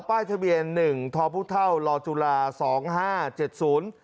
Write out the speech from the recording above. ป้ายทะเบียนหนึ่งทอพุเท่าลอจุฬาสองห้าเจ็ดศูนย์